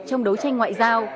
trong đấu tranh ngoại giao